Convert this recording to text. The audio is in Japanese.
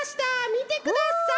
みてください！